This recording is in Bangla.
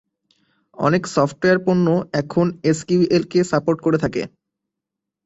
অনেক সফটওয়্যার পণ্য এখন এসকিউএল কে সাপোর্ট করে থাকে।